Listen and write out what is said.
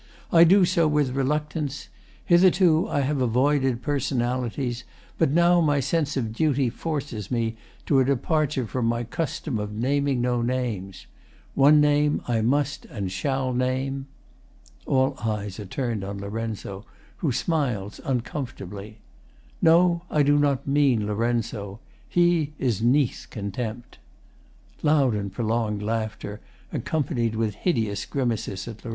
I do so with reluctance. Hitherto I have avoided personalities. But now my sense of duty forces me To a departure from my custom of Naming no names. One name I must and shall Name. [All eyes are turned on LOR., who smiles uncomfortably.] No, I do not mean Lorenzo. He Is 'neath contempt. [Loud and prolonged laughter, accompanied with hideous grimaces at LOR.